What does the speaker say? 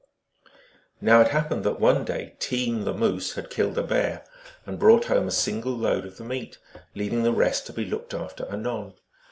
Now it happened that one day Team, the Moose, had killed a bear, and brought home a single load of the meat, leaving the rest to be looked after anon.